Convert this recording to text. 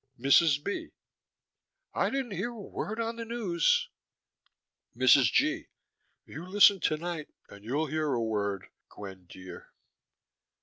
MRS. B.: I didn't hear a word on the news. MRS. G.: You listen tonight and you'll hear a word, Gwen dear.